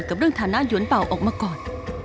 กับเรื่องธนาหยุ่นเป่าออกมาก่อน